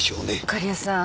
狩矢さん。